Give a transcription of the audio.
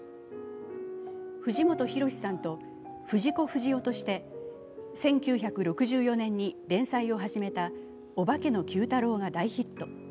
藤本弘さんと藤子不二雄として１９６４年に連載を始めた「お化けのＱ太郎」が大ヒット。